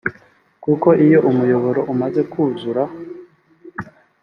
kuko iyo umuyoboro umaze kuzura